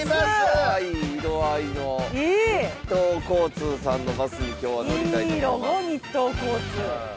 かわいい色合いの日東交通さんのバスに今日は乗りたいと思います。